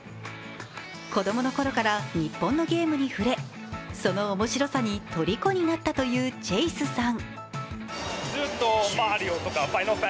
子供のころから日本のゲームに触れ、その面白さにとりこになったというチェイスさん。